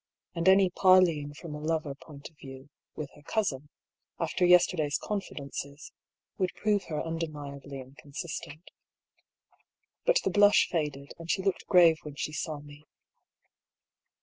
And any parleying from a Jover point of view, with her cousin, after yesterday's confi dences, would prove her undeniably inconsistent. But the blush faded, and she looked grave when she saw me.